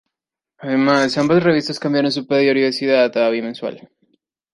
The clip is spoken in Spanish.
Además, ambas revistas cambiaron su periodicidad a bimensual.